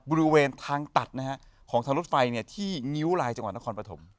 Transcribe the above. บริเวณทางตัดนะฮะของทางรถไฟที่งิ้วลายจังหวัดนครปฐม